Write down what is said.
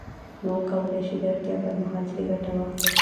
نو وکولای شي د اړتیا پر مهال ترې ګټه واخلي